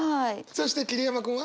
そして桐山君は？